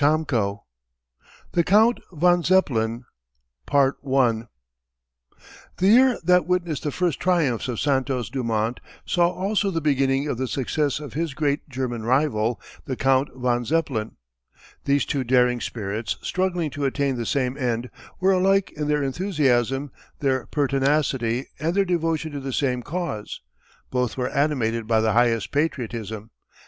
CHAPTER IV THE COUNT VON ZEPPELIN The year that witnessed the first triumphs of Santos Dumont saw also the beginning of the success of his great German rival, the Count von Zeppelin. These two daring spirits, struggling to attain the same end, were alike in their enthusiasm, their pertinacity, and their devotion to the same cause. Both were animated by the highest patriotism.